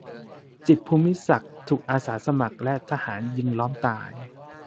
จิตร ภูมิศักดิ์ ถูกอาสาสมัครและทหารล้อมยิงตาย